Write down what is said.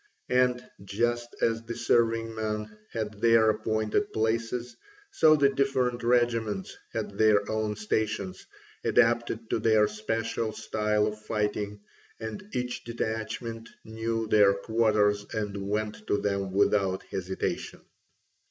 And, just as the serving men had their appointed places, so the different regiments had their own stations, adapted to their special style of fighting, and each detachment knew their quarters and went to them without hesitation.